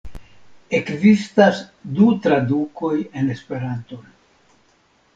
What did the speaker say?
Ekzistas du tradukoj en Esperanton.